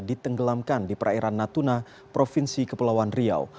ditenggelamkan di perairan natuna provinsi kepulauan riau